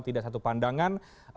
tidak satu pandangan